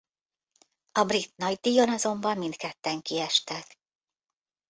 A brit nagydíjon azonban mindketten kiestek.